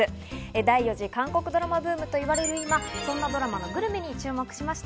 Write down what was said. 第４次韓国ドラマブームと言われる今、そんなドラマのグルメに注目しました。